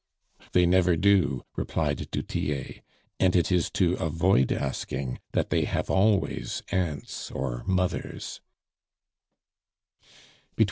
"They never do," replied du Tillet. "And it is to avoid asking that they have always aunts or mothers."